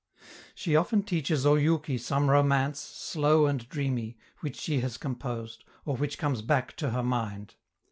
She often teaches Oyouki some romance, slow and dreamy, which she has composed, or which comes back to her mind.